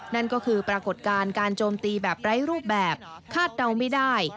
นั่นก็คือปรากฏการณ์การโจมตีแบบไร้รูปแบบคาดเดาไม่ได้